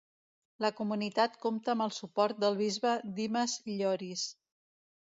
La comunitat compta amb el suport del bisbe Dimes Lloris.